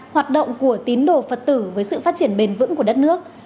hoạt động của tín đồ phật tử với sự phát triển bền vững của đất nước